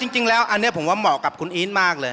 จริงแล้วอันนี้ผมว่าเหมาะกับคุณอีทมากเลย